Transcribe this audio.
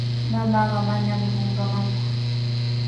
Mamaaqa manami qunqamanku.